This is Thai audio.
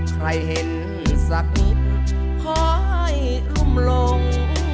ใครเห็นสักนิดขอให้รุ่มลง